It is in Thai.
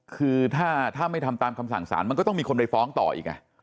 คือถ้าไม่ทำตามคำสั่งสารมันก็ต้องมีคนไปฟ้องต่ออีก